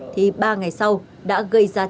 thì ba ngày sau đã gây ra